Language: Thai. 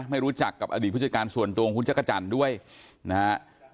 ไม่รู้จักกับอดีตผู้จัดการส่วนตัวของคุณจักรจันทร์ด้วยนะฮะ